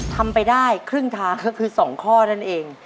ทำไปได้ครึ่งทางก็คือ๒ข้อนั่นเอง